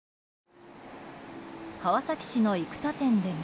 川崎市の生田店でも。